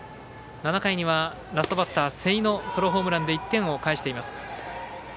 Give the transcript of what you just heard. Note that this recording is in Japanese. ７回にはラストバッター瀬井のソロホームランで１点を返しています。